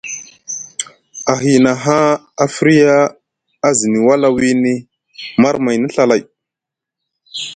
A hiina haa a firya a zini wala wiini marmayni Ɵa lay.